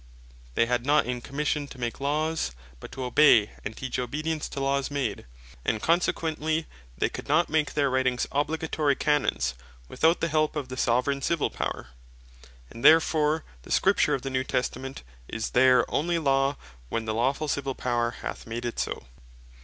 They had not in Commission to make Laws; but to obey, and teach obedience to Laws made; and consequently they could not make their Writings obligatory Canons, without the help of the Soveraign Civill Power. And therefore the Scripture of the New Testament is there only Law, where the lawfull Civill Power hath made it so.